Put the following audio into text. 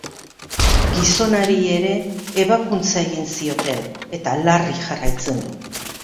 Gizonari ere ebakuntza egin zioten, eta larri jarraitzen du.